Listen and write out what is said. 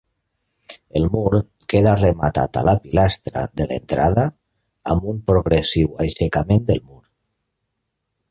El mur queda rematat a la pilastra de l'entrada amb un progressiu aixecament del mur.